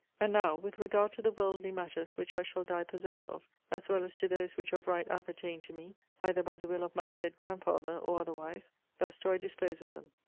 And now, with regard to the worldly matters which I shall die possessed of, as well as to those which of right appertain to me, either by the will of my said grandfather, or otherwise; thus do I dispose of them.